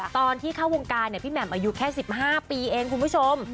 ตอนที่เข้าวงการพี่แหม่มอายุแค่๑๕ปีเองคุณผู้ชม